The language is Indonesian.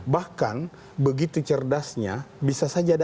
bahkan begitu cerdasnya bisa saja ada